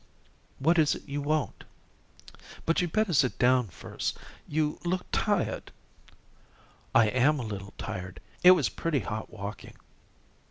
"What is it you want? But you'd better sit down first. You look tired." "I am a little tired. It was pretty hot walking."